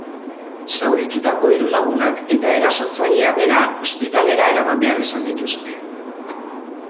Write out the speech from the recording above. Zauritutako hiru lagunak eta erasotzailea bera ospitalera eraman behar izan dituzte.